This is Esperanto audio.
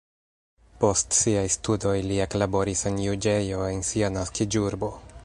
Post siaj studoj li eklaboris en juĝejo en sia naskiĝurbo.